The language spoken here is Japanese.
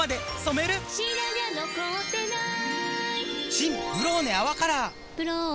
新「ブローネ泡カラー」「ブローネ」